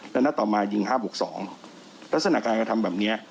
แล้วนัดต่อมายิง๕บวก๒ลักษณะการกระทำแบบนี้